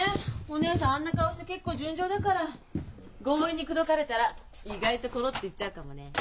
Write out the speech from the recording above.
お義姉さんあんな顔して結構純情だから強引に口説かれたら意外とコロッといっちゃうかもね。